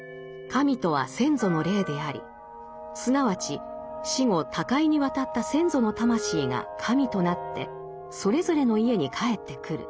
神とは先祖の霊でありすなわち死後他界に渡った先祖の魂が神となってそれぞれの家に帰ってくる。